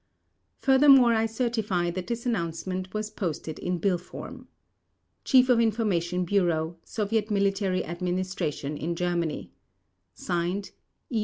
Furthermore I certify that this announcement was posted in bill form. Chief of Information Bureau, Soviet Military Administration in Germany /s/ I.